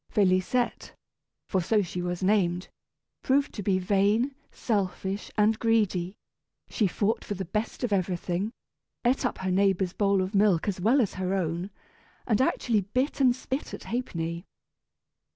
Félisette, for so she was named, proved to be vain, selfish, and greedy; she fought for the best of everything, ate up her neighbor's bowl of milk as well as her own, and actually bit and spit at Ha'penny.